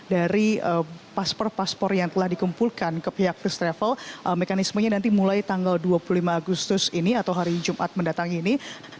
dari paspor paspor yang telah dikumpulkan ke pihak first travel mekanismenya nanti mulai tanggal dua puluh lima agustus ini atau hari jumat mendatang ini